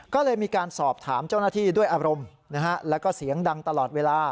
ก็เลยมีการสอบถามเจ้าหน้าที่ด้วยอารมณ์แล้วก็เสียงดังตลอดเวลา